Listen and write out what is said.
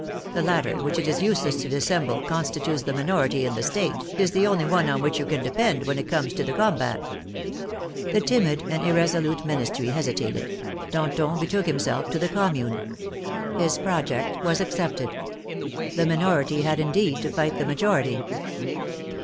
The latter, which it is useless to dissemble constitutes the minority in the State, is the only one on which you can depend when it comes to the combat." The timid and irresolute Ministry hesi tated ; Danton betook himself to the Commune. His pro ject was accepted. The minority had indeed to fight the majority.